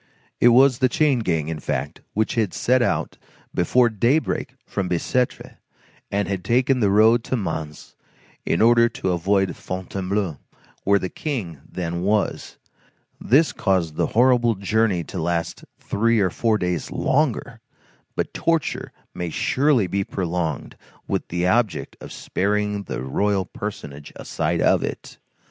It was the chain gang, in fact, which had set out before daybreak from Bicêtre, and had taken the road to Mans in order to avoid Fontainebleau, where the King then was. This caused the horrible journey to last three or four days longer; but torture may surely be prolonged with the object of sparing the royal personage a sight of it.